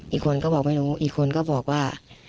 อีกคนก็บอกไม่รู้อีกคนก็บอกว่า